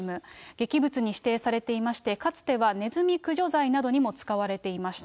劇物に指定されていまして、かつてはネズミ駆除剤などにも使われていました。